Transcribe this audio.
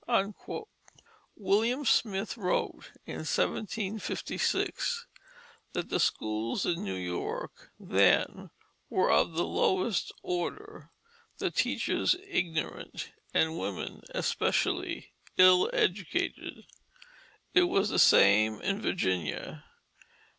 William Smith wrote in 1756 that the schools in New York then were of the lowest order, the teachers ignorant, and women, especially, ill educated. It was the same in Virginia.